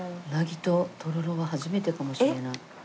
うなぎととろろは初めてかもしれない。